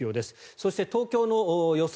そして東京の予想